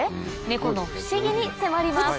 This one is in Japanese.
ネコの不思議に迫ります。